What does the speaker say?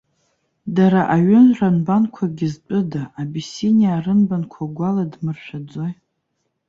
Дара аҩыра-нбанқәагьы зтәыда, абисиниаа рынбанқәа угәаладмыршәаӡои?